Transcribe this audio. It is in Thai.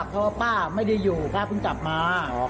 พระพุ่งจับพ่อก็ว่าป้าไม่ได้อยู่พระพุ่งจับมา